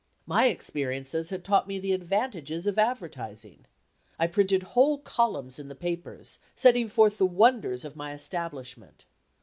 My experiences had taught me the advantages of advertising. I printed whole columns in the papers, setting forth the wonders of my establishment.